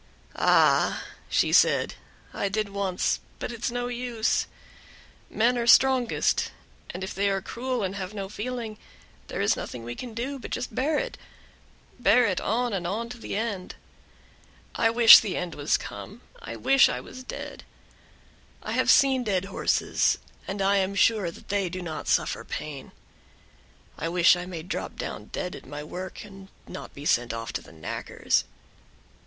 "Ah!" she said, "I did once, but it's no use; men are strongest, and if they are cruel and have no feeling, there is nothing that we can do, but just bear it bear it on and on to the end. I wish the end was come, I wish I was dead. I have seen dead horses, and I am sure they do not suffer pain; I wish I may drop down dead at my work, and not be sent off to the knackers."